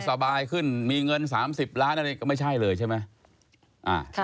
สบายขึ้นมีเงิน๓๐ล้านอะไรก็ไม่ใช่เลยใช่ไหม